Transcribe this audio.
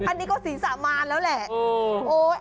อันนี้ก็ศีรษะมานแล้วแหละ